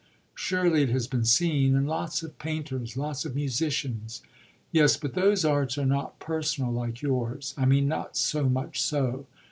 "Surely it has been seen in lots of painters, lots of musicians." "Yes, but those arts are not personal like yours. I mean not so much so.